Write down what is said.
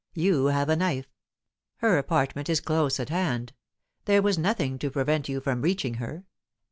You have a knife. Her apartment is close at hand. There was nothing to prevent you from reaching her.